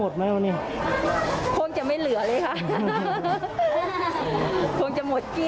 ชิมลูกชิ้นยืนกินแล้ว